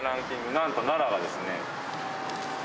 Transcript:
なんと奈良がですね。